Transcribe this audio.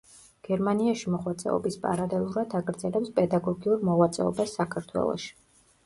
გერმანიაში მოღვაწეობის პარალელურად აგრძელებს პედაგოგიურ მოღვაწეობას საქართველოში.